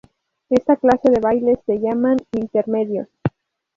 Esta clase de bailes se llaman "intermedios".